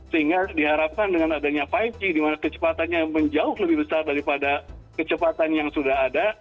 sehingga diharapkan dengan adanya lima g di mana kecepatannya menjauh lebih besar daripada kecepatan yang sudah ada